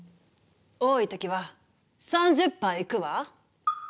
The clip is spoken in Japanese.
多い時は３０杯いくわ。